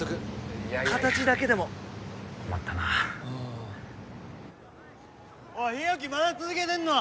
いやいや形だけでも困ったなあ・おい日沖まだ続けてんの？